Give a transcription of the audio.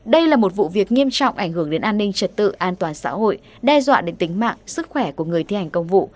đây là một vụ việc nghiêm trọng ảnh hưởng đến an ninh trật tự an toàn xã hội đe dọa đến tính mạng sức khỏe của người thi hành công vụ